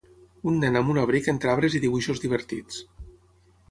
Un nen amb un abric entre arbres i dibuixos divertits.